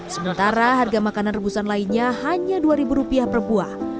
sementara harga makanan rebusan lainnya hanya dua ribu rupiah per buah